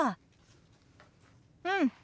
うん。